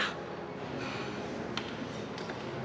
aku gak bermaksud untuk masak kamu